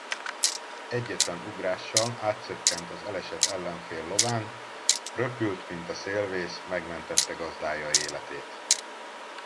Egyetlen ugrással átszökkent az elesett ellenfél lován, röpült, mint a szélvész, megmentette gazdája életét.